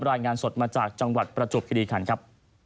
รายงานสดมาจากจังหวัดประจวบคิริขันครับ